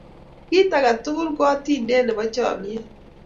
kit ak atugul ko atindet nebo chamiet